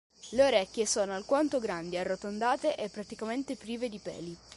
Le orecchie sono alquanto grandi, arrotondate e praticamente prive di peli.